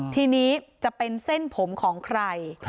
ทีนี้จะเป็นเส้นผมของใคร